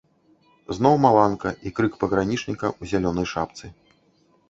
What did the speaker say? Зноў маланка і крык пагранічніка ў зялёнай шапцы.